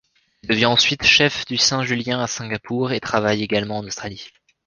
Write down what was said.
Elle devient ensuite chef du Saint-Julien à Singapour et travaille également en Australie.